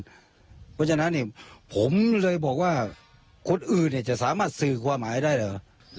เพราะฉะนั้นผมเลยบอกว่าคนอื่นจะสามารถสื่อความหมายได้เหรอ